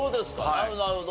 なるほどなるほど。